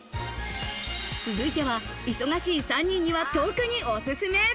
続いては、忙しい３人には特にオススメ。